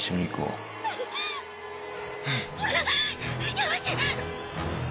やめて。